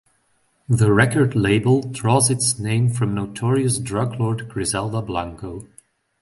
The record label draws its name from notorious drug lord Griselda Blanco.